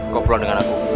kau pulang dengan aku